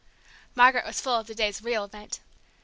Margaret was full of the day's real event.